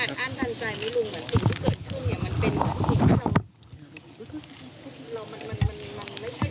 อาจอ้านทันใจไหมลุงว่าสิ่งที่เกิดขึ้นเนี่ย